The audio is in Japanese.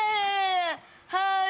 はい！